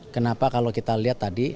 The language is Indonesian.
kenapa kalau kita lihat tadi